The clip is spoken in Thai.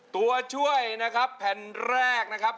ตัวช่วยนะครับแผ่นแรกนะครับ